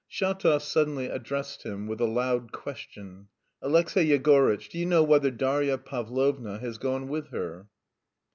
Shatov suddenly addressed him with a loud question: "Alexey Yegorytch, do you know whether Darya Pavlovna has gone with her?"